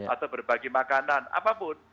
atau berbagi makanan apapun